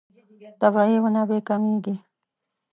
طبیعي منابع کمېږي.